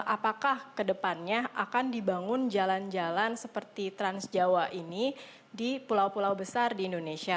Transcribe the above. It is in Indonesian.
apakah kedepannya akan dibangun jalan jalan seperti trans jawa ini di pulau pulau besar di indonesia